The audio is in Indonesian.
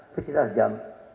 sekitar jam tiga